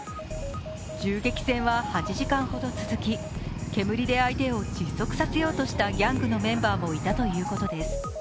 銃撃戦は８時間ほど続き煙で相手を窒息させようとしたギャングのメンバーもいたということです。